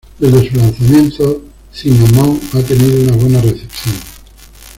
Desde su lanzamiento, Cinnamon ha tenido una buena recepción.